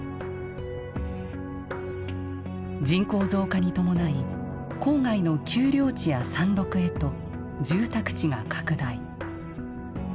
人口増加に伴い郊外の丘陵地や山麓へと住宅地が拡大。